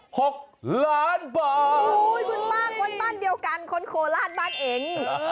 โอ้โฮคุณป้าคนบ้านเดียวกันคนโคลาศบ้านเอง